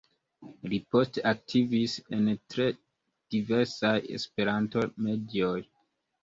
Li poste aktivis en tre diversaj Esperanto-medioj.